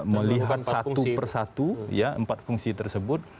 melihat satu persatu ya empat fungsi tersebut